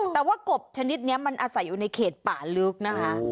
แต่ว่ากบชนิดนี้มันอาศัยอยู่ในเขตป่าลึกนะคะ